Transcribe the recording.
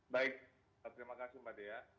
baik terima kasih mbak dea